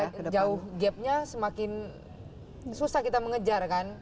ya jauh gapnya semakin susah kita mengejar kan